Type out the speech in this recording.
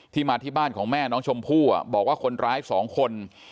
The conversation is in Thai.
มาที่บ้านของแม่น้องชมพู่บอกว่าคนร้ายสองคน